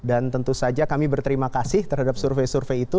dan tentu saja kami berterima kasih terhadap survei survei itu